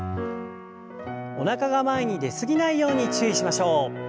おなかが前に出すぎないように注意しましょう。